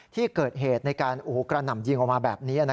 ที่เกิดเหตุในการกระหน่ำยิงออกมาแบบนี้